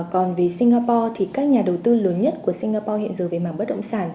còn về singapore thì các nhà đầu tư lớn nhất của singapore hiện giờ về mảng bất động sản